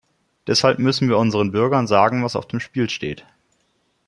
Deshalb müssen wir unseren Bürgern sagen, was auf dem Spiel steht.